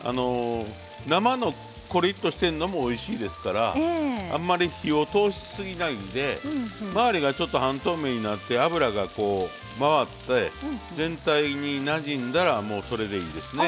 生のコリッとしてるのもおいしいですからあんまり火を通しすぎないであんまり火を通しすぎないで周りが半透明になって油がまわって全体になじんだらもうそれでいいですね。